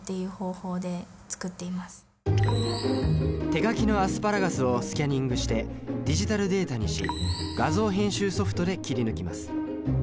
手描きのアスパラガスをスキャニングしてディジタルデータにし画像編集ソフトで切り抜きます。